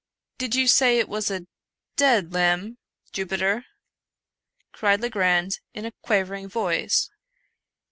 " Did you say it was a dead limb, Jupiter ?" cried Le grand in a quavering voice.